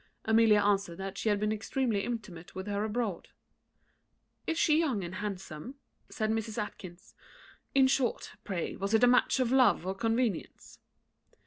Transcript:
Amelia answered that she had been extremely intimate with her abroad. "Is she young and handsome?" said Mrs. Atkinson. "In short, pray, was it a match of love or convenience?"